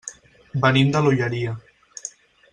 Venim de l'Olleria.